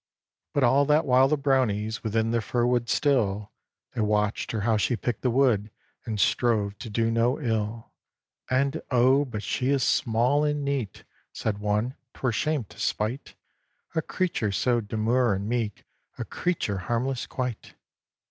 But all that while the Brownies Within the fir wood still, They watched her how she picked the wood, And strove to do no ill. "And oh! but she is small and neat!" Said one; "'twere shame to spite A creature so demure and meek, A creature harmless quite!"